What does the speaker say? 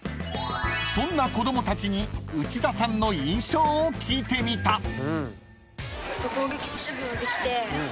［そんな子供たちに内田さんの印象を聞いてみた］